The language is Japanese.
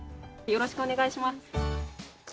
よろしくお願いします。